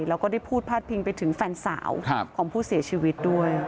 แล้วก็ได้พูดพาดพิงไปถึงแฟนสาวของผู้เสียชีวิตด้วย